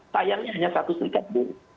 sayangnya hanya satu serikat buruh